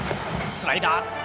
スライダー。